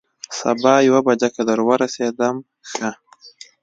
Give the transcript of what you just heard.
سبا یوه بجه که در ورسېدم، ښه.